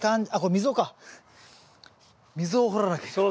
溝を掘らなきゃ。